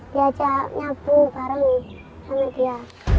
diajak nyabu bareng nih sama dia